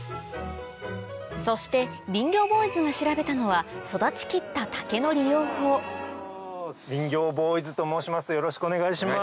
そして林業ボーイズが調べたのは育ち切った竹の利用法林業ボーイズと申します